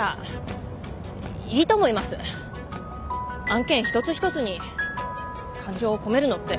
案件一つ一つに感情を込めるのって。